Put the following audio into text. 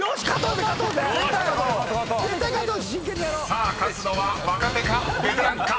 ［さあ勝つのは若手か？